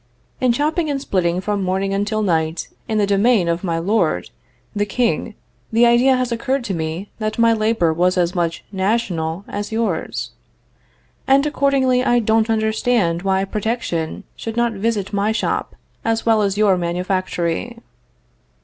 In chopping and splitting from morning until night in the domain of my lord, the King, the idea has occurred to me that my labor was as much national as yours. And accordingly I don't understand why protection should not visit my shop as well as your manufactory.